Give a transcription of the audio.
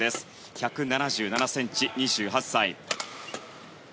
１７７ｃｍ、２８歳。